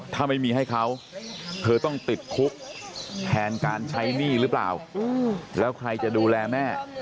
ถ้าไม่มีให้เขาเธอต้องติดคุกแทนการใช้หนี้หรือเปล่าแล้วใครจะดูแลแม่